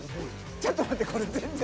ちょっと待ってこれ全然。